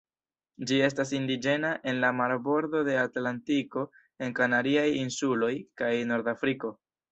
Ĝi estas indiĝena en la marbordo de Atlantiko en Kanariaj insuloj kaj Nordafriko.